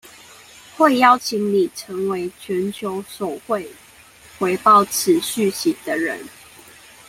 會邀請你成為全球首位回報此訊息的人